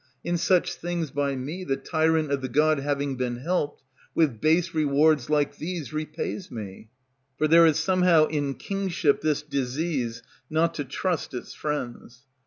In such things by me The tyrant of the gods having been helped, With base rewards like these repays me; For there is somehow in kingship This disease, not to trust its friends.